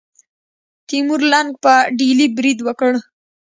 تیمور لنګ په ډیلي برید وکړ.